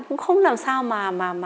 cũng không làm sao mà